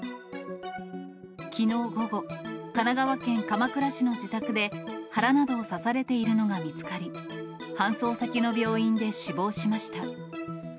きのう午後、神奈川県鎌倉市の自宅で、腹などを刺されているのが見つかり、搬送先の病院で死亡しました。